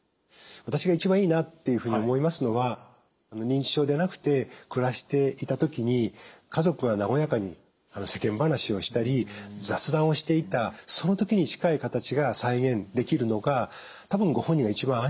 私が一番いいなっていうふうに思いますのは認知症でなくて暮らしていた時に家族は和やかに世間話をしたり雑談をしていたその時に近い形が再現できるのが多分ご本人が一番安心する状況なんじゃないかなというふうに思います。